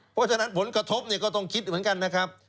เพราะฉะนั้นผลกระทบเนี่ยก็ต้องคิดเหมือนกันนะครับ